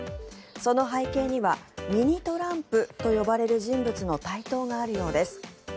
その背景にはミニ・トランプと呼ばれる人物の台頭があるようです。